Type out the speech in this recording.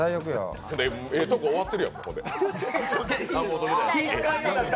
ええとこ終わってる。